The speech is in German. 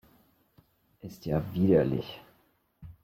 Ist ja widerlich!